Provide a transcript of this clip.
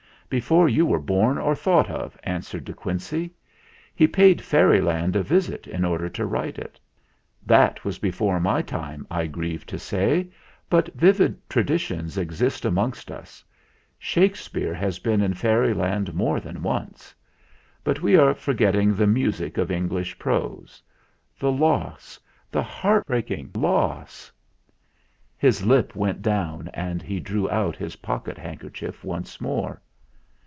"Before you were born or thought of," an swered De Quincey. "He paid Fairyland a visit in order to write it. That was before my time, I grieve to say, but vivid traditions exist amongst us. Shakespeare has been in Fairy land more than once. But we are forgetting the music of English prose. The loss the heart breaking loss !" His lip went down and he drew out his pocket handkerchief once more.